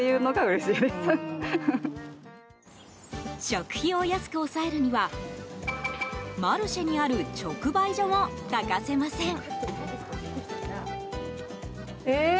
食費を安く抑えるにはマルシェにある直売所も欠かせません。